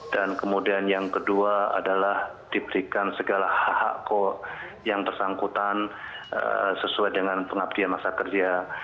dan kemudian yang kedua adalah diberikan segala hak hak ko yang tersangkutan sesuai dengan pengabdian masa kerja